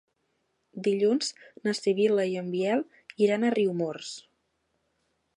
Dilluns na Sibil·la i en Biel iran a Riumors.